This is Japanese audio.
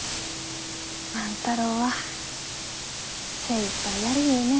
万太郎は精いっぱいやりゆうね。